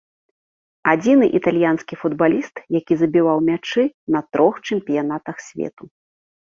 Адзіны італьянскі футбаліст, які забіваў мячы на трох чэмпіянатах свету.